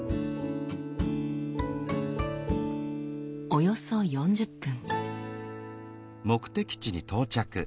およそ４０分。